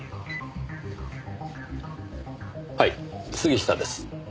はい杉下です。